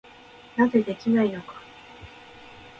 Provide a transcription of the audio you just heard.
なぜできないのか。